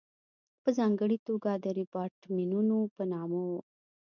په ځانګړې توګه د ریپارټیمنټو په نامه وو.